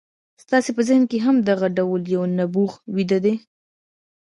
ستاسې په ذهن کې هم دغه ډول یو نبوغ ویده دی